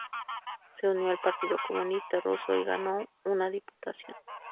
Se unió al Partido Comunista ruso y ganó una diputación.